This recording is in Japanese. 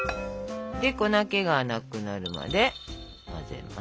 で粉けがなくなるまで混ぜますと。